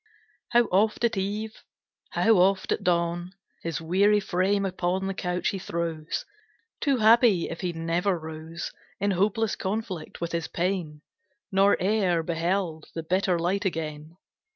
How oft at eve, how oft at dawn, His weary frame upon the couch he throws, Too happy, if he never rose, In hopeless conflict with his pain, Nor e'er beheld the bitter light again!